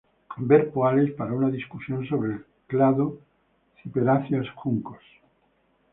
Ver Poales para una discusión sobre el clado ciperáceas-juncos.